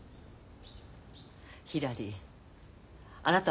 ひらりあなた